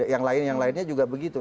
yang lain yang lainnya juga begitu